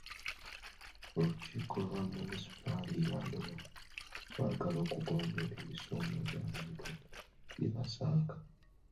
Olukiiko lwa Munisipaali ya Arua lwagala okugonjoola ebisoomooza abantu bye basanga.